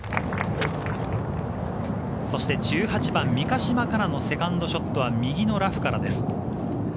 １８番、三ヶ島かなのセカンドショットは右のラフからです。